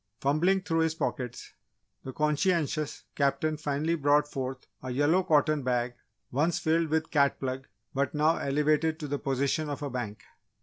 Fumbling through his pockets, the conscientious Captain finally brought forth a yellow cotton bag once filled with "cut plug" but now elevated to the position of a bank.